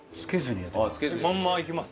まんまいきます？